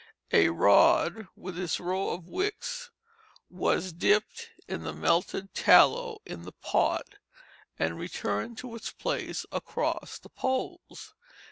A rod, with its row of wicks, was dipped in the melted tallow in the pot, and returned to its place across the poles.